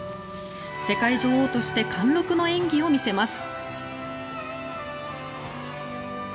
世界女王として貫禄の演技を見せます。